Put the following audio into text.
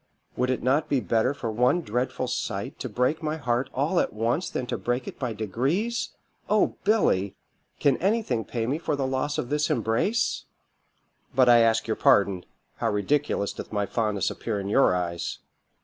Would it not be better for one dreadful sight to break my heart all at once than to break it by degrees? O Billy! can anything pay me for the loss of this embrace?' But I ask your pardon how ridiculous doth my fondness appear in your eyes!"